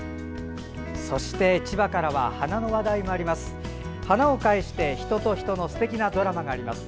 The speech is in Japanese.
そして、千葉からは花の話題もあります。